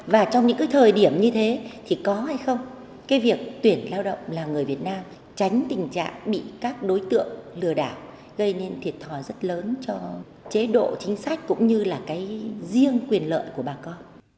và trong những cái thời điểm như thế thì có hay không cái việc tuyển lao động là người việt nam tránh tình trạng bị các đối tượng lừa đảo gây nên thiệt thòi rất lớn cho chế độ chính sách cũng như là cái riêng quyền lợi của bà con